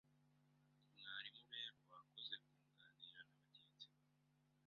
Mwarimu rero wakoze kunganirira na bagenzi bawe